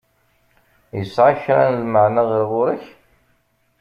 Yesεa kra n lmeεna ɣer ɣur-k?